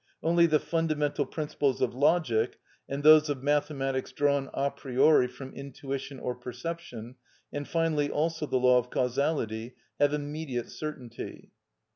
Only the fundamental principles of logic, and those of mathematics drawn a priori from intuition or perception, and finally also the law of causality, have immediate certainty.